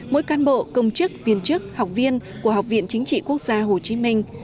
mỗi cán bộ công chức viên chức học viên của học viện chính trị quốc gia hồ chí minh